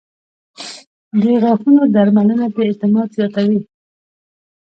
• د غاښونو درملنه د اعتماد زیاتوي.